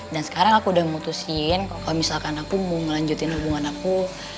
dan sekarang aku udah memutusin kalau misalkan aku mau melanjutin hubungan aku